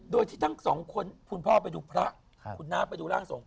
โดยที่ทั้งสองคนคุณพ่อไปดูพระคุณน้าไปดูร่างทรง